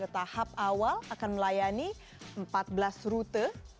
tahap awal akan melayani empat belas rute